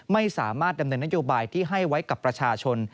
ไม่สามารถดำเนินนโยบายที่ให้ไว้กับประชาชน